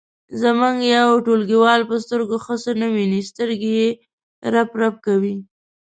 زموږ یو ټولګیوال په سترګو ښه څه نه ویني سترګې یې رپ رپ کوي.